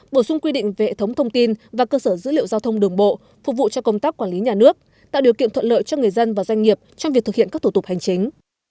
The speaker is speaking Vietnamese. bổ sung quy định về hệ thống thông tin và cơ sở dữ liệu giao thông đường bộ phục vụ cho công tác quản lý nhà nước tạo điều kiện thuận lợi cho người dân và doanh nghiệp trong việc thực hiện các thủ tục hành chính